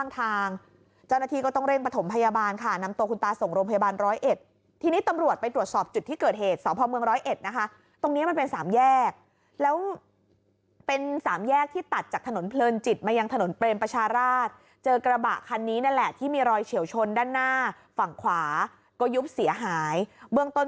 ทางเจ้าหน้าที่ก็ต้องเร่งประถมพยาบาลค่ะนำตัวคุณตาส่งโรงพยาบาลร้อยเอ็ดทีนี้ตำรวจไปตรวจสอบจุดที่เกิดเหตุสพเมืองร้อยเอ็ดนะคะตรงนี้มันเป็นสามแยกแล้วเป็นสามแยกที่ตัดจากถนนเพลินจิตมายังถนนเปรมประชาราชเจอกระบะคันนี้นั่นแหละที่มีรอยเฉียวชนด้านหน้าฝั่งขวาก็ยุบเสียหายเบื้องต้น